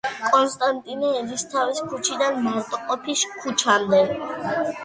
კონსტანტინე ერისთავის ქუჩიდან მარტყოფის ქუჩამდე.